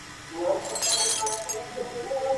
কত সময় লাগবে, সেটাও ম্যাক্সওয়েল বের করে ফেললেন।